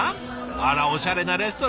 あらおしゃれなレストランで。